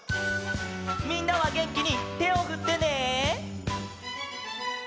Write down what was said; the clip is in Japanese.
みんなはげんきにてをふってね。